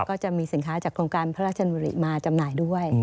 ก็จะมีสินค้าจากโครงการพระราชดำริมาจำหน่ายด้วย